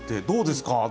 どうですか？